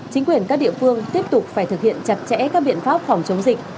chính quyền các địa phương tiếp tục phải thực hiện chặt chẽ các biện pháp phòng chống dịch